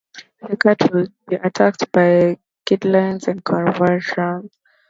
The cattle would be attacked by giddiness and convulsions.